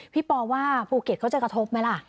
ปอว่าภูเก็ตเขาจะกระทบไหมล่ะ